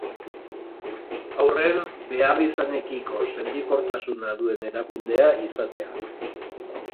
Haurren beharrizanekiko sentikortasuna duen erakundea izatea.